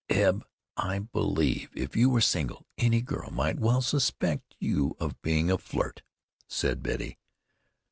"Eb, I believe if you were single any girl might well suspect you of being a flirt," said Betty.